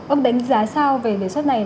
ông đánh giá sao về đề xuất này